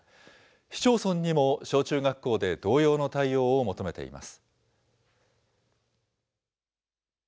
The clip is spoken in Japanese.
市町村にも小中学校で同様の対応を求めています。